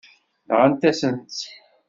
Nɣant-asen-tt.